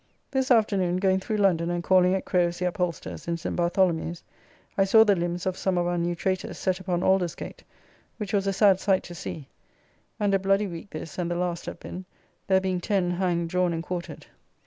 This afternoon, going through London, and calling at Crowe's the upholster's, in Saint Bartholomew's, I saw the limbs of some of our new traitors set upon Aldersgate, which was a sad sight to see; and a bloody week this and the last have been, there being ten hanged, drawn, and quartered.